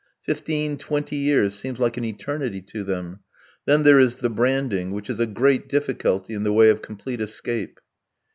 Fifteen, twenty years seem like an eternity to them. Then there is the branding, which is a great difficulty in the way of complete escape.